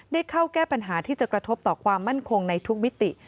ได้เข้าแก้ปัญหาที่จะกระทบต่อความมั่นคงในทุกมิติ